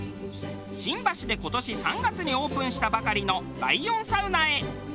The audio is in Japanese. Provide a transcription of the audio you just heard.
新橋で今年３月にオープンしたばかりのライオンサウナへ。